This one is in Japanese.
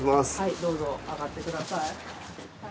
どうぞ上がってください。